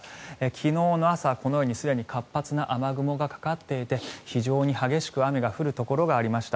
昨日の朝、このようにすでに活発な雨雲がかかっていて非常に激しく雨が降るところがありました。